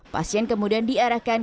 pasien kemudian diarahkan